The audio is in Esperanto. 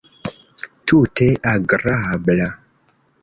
Tute agrabla.